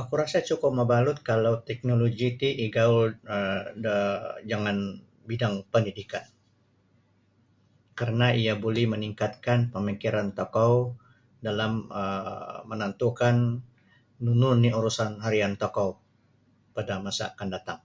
Oku rasa cukup mabalut kalau teknologi ti igaul um da jangan bidang pendidikan kerna ia buli meningkatkan pamikiran tokou dalam um menentukan nunu oni urusan harian tokou pada masa akan datang.